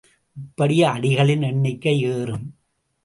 இப்படி அடிகளின் எண்ணிக்கை ஏறும்.